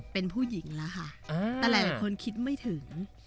เป็นผู้หญิงแล้วค่ะแต่หลายคนคิดไม่ถึง